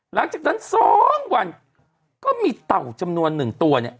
หลังจากนั้น๒วันก็มีเต่าจำนวนหนึ่งตัวเนี่ย